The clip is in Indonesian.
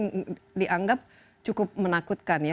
yang dianggap cukup menakutkan ya